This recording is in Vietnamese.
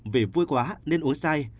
vì vui quá nên uống say